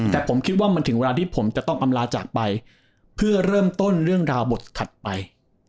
แต่ผมคิดว่ามันถึงเวลาที่ผมจะต้องอำลาจากไปเพื่อเริ่มต้นเรื่องราวบทถัดไป